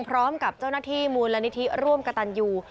พร้อมกับเจ้าหน้าที่มูลนิธิร่วมกระตันยู